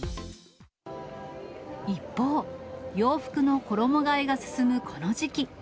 一方、洋服の衣がえが進むこの時期。